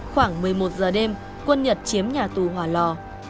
khoảng một mươi một giờ đêm quân nhật chiếm nhà tù hòa lò